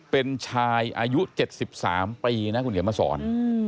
เป็นชายอายุ๗๓ปีนะคุณเดิร์มศร